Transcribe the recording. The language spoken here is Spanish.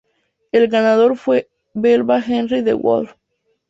El ganador fue el belga Henri De Wolf.